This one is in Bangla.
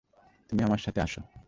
তুমি আমার সাথে আসো।